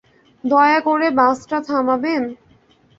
দয়া করে বাসটা থামাবেন?